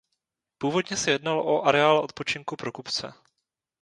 Původně se jednalo o areál odpočinku pro kupce.